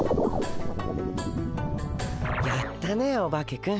やったねオバケくん。